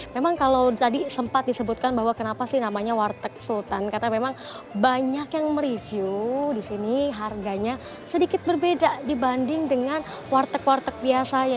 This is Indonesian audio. memang kalau tadi sempat disebutkan bahwa kenapa sih namanya warteg sultan karena memang banyak yang mereview di sini harganya sedikit berbeda dibanding dengan warteg warteg biasanya